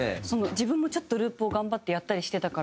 自分もちょっとループを頑張ってやったりしてたから